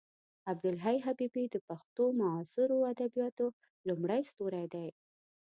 عبدالحی حبیبي د پښتو معاصرو ادبیاتو لومړی ستوری دی.